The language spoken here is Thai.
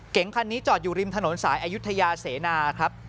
คันนี้จอดอยู่ริมถนนสายอายุทยาเสนาครับ